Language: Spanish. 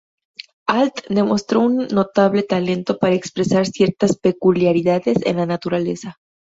Alt demostró un notable talento para expresar ciertas peculiaridades en la naturaleza.